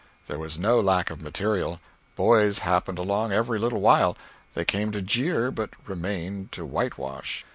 There was no lack of material; boys happened along every little while; they came to jeer, but remained to whitewash.